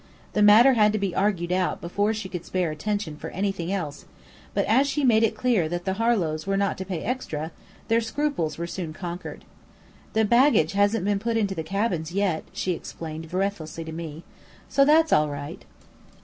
The matter had to be argued out before she could spare attention for anything else; but as she made it clear that the Harlows were not to pay extra, their scruples were soon conquered. "The baggage hasn't been put into the cabins yet," she explained breathlessly to me, "so that's all right!"